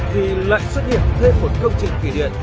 thì lại xuất hiện thêm một công trình thủy điện